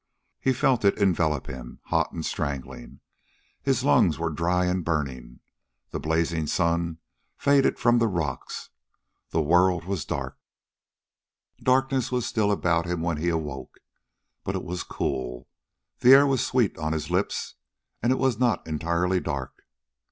He felt it envelop him, hot and strangling. His lungs were dry and burning ... the blazing sun faded from the rocks ... the world was dark.... Darkness was still about him when he awoke. But it was cool; the air was sweet on his lips. And it was not entirely dark.